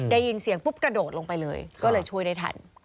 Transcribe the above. ได้ยินเสียงปุ๊บกระโดดลงไปเลยก็เลยช่วยได้ทัน